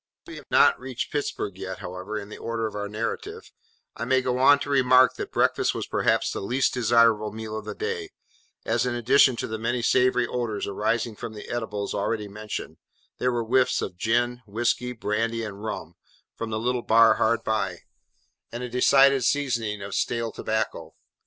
As we have not reached Pittsburg yet, however, in the order of our narrative, I may go on to remark that breakfast was perhaps the least desirable meal of the day, as in addition to the many savoury odours arising from the eatables already mentioned, there were whiffs of gin, whiskey, brandy, and rum, from the little bar hard by, and a decided seasoning of stale tobacco.